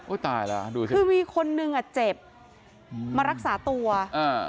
ตายแล้วดูสิคือมีคนนึงอ่ะเจ็บมารักษาตัวอ่า